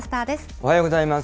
おはようございます。